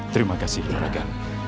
terima kasih raga